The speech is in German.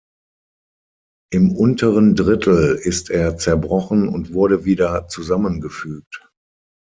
Im unteren Drittel ist er zerbrochen und wurde wieder zusammengefügt.